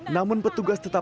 namun petugas tetap